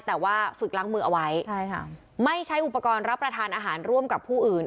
แต่ว่าฝึกล้างมือเอาไว้ใช่ค่ะไม่ใช้อุปกรณ์รับประทานอาหารร่วมกับผู้อื่น